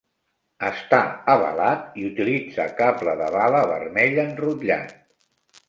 Està avalat i utilitza cable de bala vermell enrotllat.